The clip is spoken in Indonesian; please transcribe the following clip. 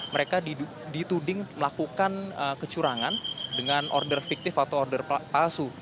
mereka dituding melakukan kecurangan dengan order fiktif atau order palsu